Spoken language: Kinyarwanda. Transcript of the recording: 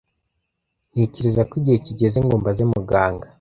Ntekereza ko igihe kigeze ngo mbaze muganga.